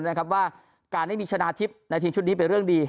นะครับว่าการไม่มีชนะทิพย์ในทีมชุดนี้เป็นเรื่องดี